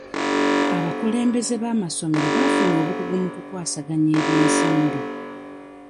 Abakulembeze b'amasomero baafuna obukugu mu kukwasaganya eby'ensimbi.